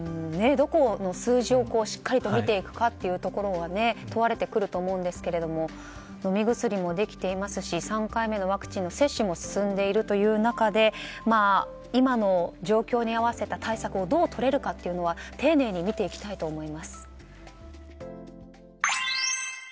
どこの数字をしっかりと見ていくかというのが問われてくると思うんですけども飲み薬もできていますし３回目のワクチンの接種も進んでいるという中で今の状況に合わせた対策をどうとれるかというのは丁寧に見ていきたいと思います。